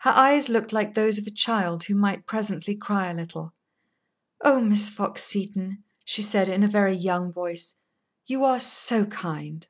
Her eyes looked like those of a child who might presently cry a little. "Oh, Miss Fox Seton," she said, in a very young voice, "you are so kind!"